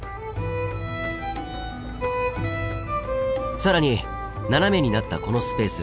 更に斜めになったこのスペース。